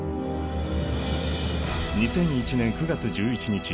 ２００１年９月１１日